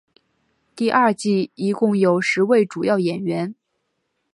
第二季一共有十位主要演员。